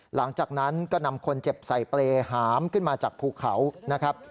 หลังจากนั้นก็นำคนเจ็บใส่เปรย์หามขึ้นมาจากภูเขานะครับ